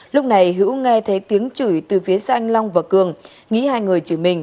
lúc này hữu nghe thấy tiếng chửi từ phía xe anh long và cường nghĩ hai người chửi mình